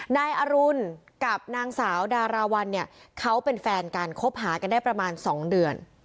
นายอรุณกับนางสาวดาราวันเนี่ยเขาเป็นแฟนกันคบหากันได้ประมาณ๒เดือน